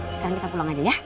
sekarang kita pulang aja ya